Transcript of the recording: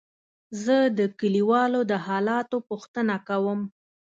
زه د کليوالو د حالاتو پوښتنه کوم.